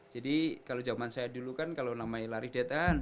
jadi kalau zaman saya dulu kan kalau namanya lari dead kan